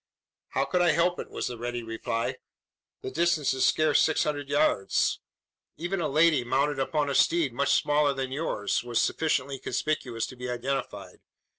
"How could I help it?" was the ready reply. "The distance is scarce six hundred yards. Even a lady, mounted upon a steed much smaller than yours, was sufficiently conspicuous to be identified.